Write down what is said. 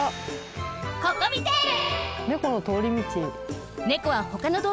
ココミテール！